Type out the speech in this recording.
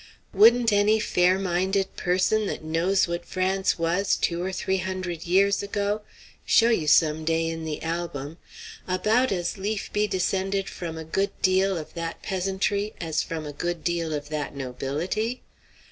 " Wouldn't any fair minded person that knows what France was two or three hundred years ago show you some day in the 'Album' about as lief be descended from a good deal of that peasantry as from a good deal of that nobility?